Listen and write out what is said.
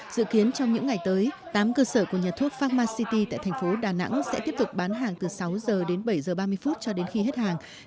dự kiến trong những ngày tới tám cơ sở của nhà thuốc pharma city tại thành phố đà nẵng sẽ tiếp tục bán hàng từ sáu giờ đến bảy h ba mươi phút cho đến khi hết hàng